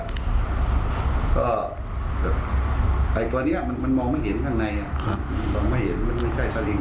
ก็ไอ้ตัวนี้มันมองไม่เห็นข้างในมองไม่เห็นมันไม่ใช่สลิง